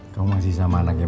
kamu masih sama anaknya